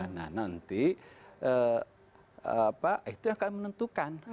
nah nanti itu yang akan menentukan